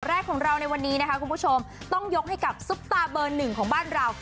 แรกของเราในวันนี้นะคะคุณผู้ชมต้องยกให้กับซุปตาเบอร์หนึ่งของบ้านเรา